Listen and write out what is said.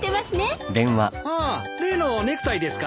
ああ例のネクタイですか？